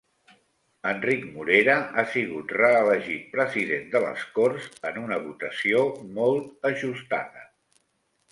Enric Morera ha sigut reelegit president de les Corts en una votació molt ajustada